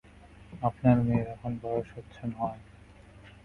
আপনার মেয়ের এখন বয়স হচ্ছে নয়।